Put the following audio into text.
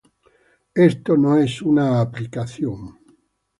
Esto no es una aplicación.